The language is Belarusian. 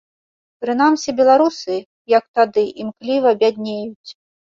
Прынамсі, беларусы, як тады, імкліва бяднеюць.